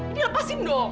ini lepasin dong